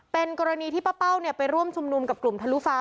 เป็นกรณีที่ป้าเป้าไปร่วมชุมนุมกับกลุ่มทะลุฟ้า